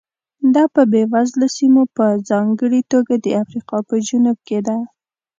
دا په بېوزله سیمو په ځانګړې توګه د افریقا په جنوب کې ده.